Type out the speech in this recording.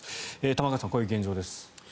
玉川さん、こういう現状です。